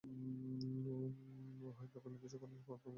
উহাই তখন নির্দিষ্ট গঠন প্রাপ্ত হইয়া মুক্তারূপে পরিণত হয়।